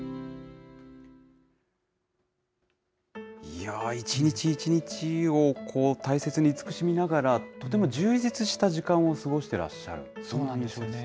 いやー、一日一日を大切に慈しみながら、とても充実した時間を過ごしてらそうなんですよね。